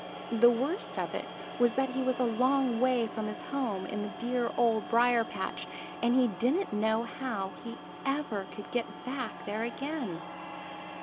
The worst of it was that he was a long way from his home in the dear Old Briar patch, and he didn't know how he ever could get back there again.